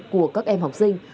của các em học sinh